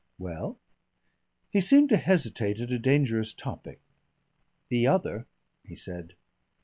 "Well?" He seemed to hesitate at a dangerous topic. "The other," he said.